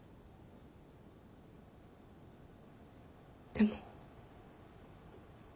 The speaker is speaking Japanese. でも。